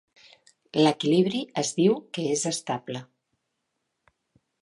L'equilibri es diu que és estable.